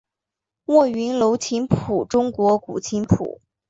卧云楼琴谱中国古琴谱。